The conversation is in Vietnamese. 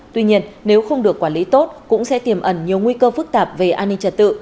tuy nhiên nếu không được quản lý tốt cũng sẽ tiềm ẩn nhiều nguy cơ phức tạp về an ninh trật tự